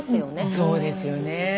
そうですよね。